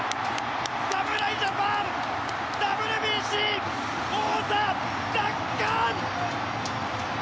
侍ジャパン、ＷＢＣ王座奪還！